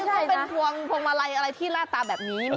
ใช่มามั้ยน่าจะเป็นพวงมาลัยอะไรที่ระตาแบบนี้ไม่ใช่นะ๑๓๐๔๔